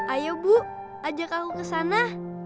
ayo bu ajak aku ke sana